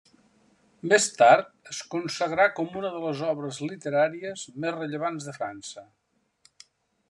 Més tard es consagrà com una de les obres literàries més rellevants de França.